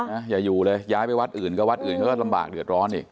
อย่าอยู่เลยย้ายไปวัดอื่นก็วัดอื่นเขาก็ลำบากเดือดร้อนอีก